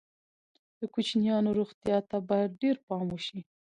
د کوچنیانو روغتیا ته باید ډېر پام وشي.